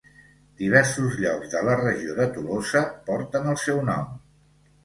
Diversos llocs de la regió de Tolosa porten el seu nom.